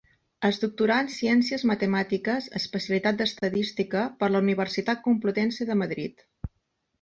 Es doctorà en Ciències Matemàtiques, especialitat d'Estadística, per la Universitat Complutense de Madrid.